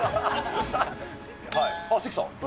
関さん。